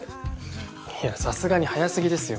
さすがに早すぎですよ。